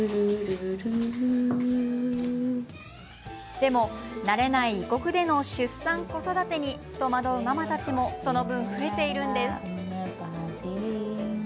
でも慣れない異国での出産、子育てに戸惑うママたちもその分、増えているんです。